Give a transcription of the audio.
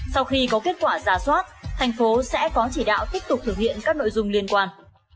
sau khi có kết quả giả soát thành phố sẽ có chỉ đạo tiếp tục thực hiện các nội dung liên quan